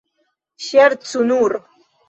Ŝercu nur!